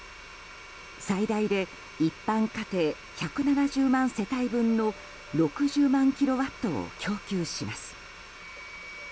最大で一般家庭１７０万世帯分の６０万キロワットを供給します。